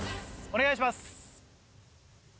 お願いします。